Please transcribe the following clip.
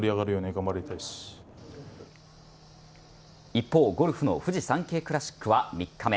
一方、ゴルフのフジサンケイクラシックは３日目。